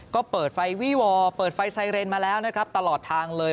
ก็เปิดไฟวี่วอเปิดไฟไซเรนมาแล้วนะครับตลอดทางเลย